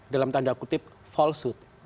dalam tanda kutip falsehood